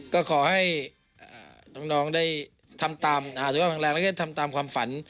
ก็ขอให้น้องได้ทำตามหาสุขภาพแข็งแรงแล้วก็ทำตามความฝัน